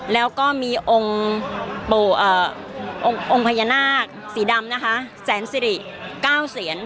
แล้วก็มีองค์พญานาคสีดำนะคะแสนสิริ๙เสียน